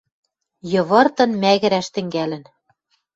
Йывыртын мӓгӹрӓш тӹнгӓлӹн!